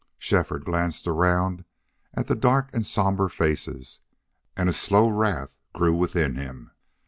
Shefford glanced around at the dark and somber faces, and a slow wrath grew within him.